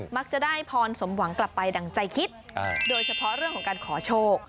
มักจะได้พรสมหวังกลับไปดั่งใจคิดโดยเฉพาะเรื่องของการขอโชค